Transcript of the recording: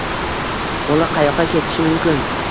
Bola qayoqqa ketishi mumkin?